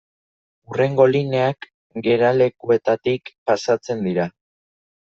Hurrengo lineak geralekuetatik pasatzen dira.